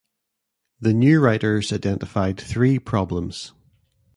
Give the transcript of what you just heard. The new writers identified three problems.